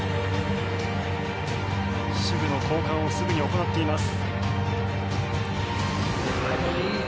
手具の交換をすぐに行っています。